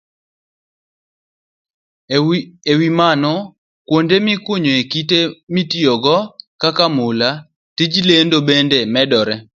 E wi mano, kuonde mikunyoe kite mitiyogo kaka mula, tij lendo bende medore.